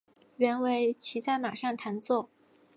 原为骑在马上弹奏。